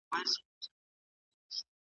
زه پرون انځور ګورم وم!؟